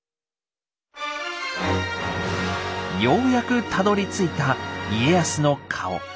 ようやくたどりついた家康の顔。